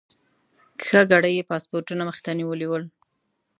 ښه ګړی یې پاسپورټونه مخې ته نیولي ول.